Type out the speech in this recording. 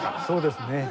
そうですね。